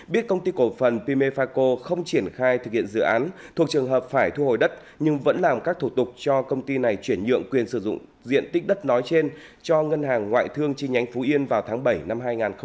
biết công ty cổ phần pimefaco không triển khai thực hiện dự án thuộc trường hợp phải thu hồi đất nhưng vẫn làm các thủ tục cho công ty này chuyển nhượng quyền sử dụng diện tích đất nói trên cho ngân hàng ngoại thương chi nhánh phú yên vào tháng bảy năm hai nghìn hai mươi